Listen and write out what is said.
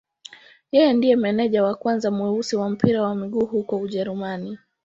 Yeye ndiye meneja wa kwanza mweusi wa mpira wa miguu huko Ujerumani.